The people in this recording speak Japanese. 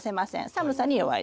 寒さに弱いです。